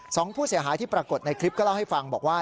สองผู้เสียหายที่ปรากฏในคลิปก็เล่าให้ฟังบอกว่า